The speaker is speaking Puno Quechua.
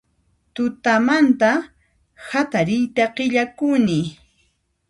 Tutamanta hatariyta qillakuni